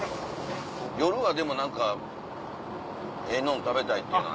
夜はでも何かええのん食べたいっていうのありますけど。